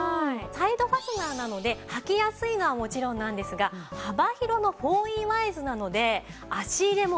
サイドファスナーなので履きやすいのはもちろんなんですが幅広の４Ｅワイズなので足入れもゆったりなんです。